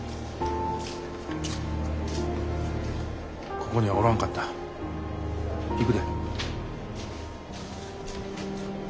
ここにはおらんかった。行くで。